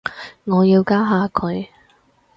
我要加下佢